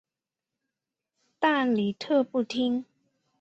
但李特不听。